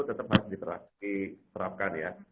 tetap harus diterapkan ya